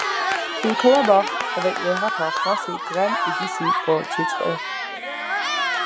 Ils collaborent avec les rappeurs français Grems et Disiz pour le titre '.